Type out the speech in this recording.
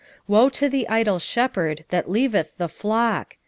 11:17 Woe to the idol shepherd that leaveth the flock!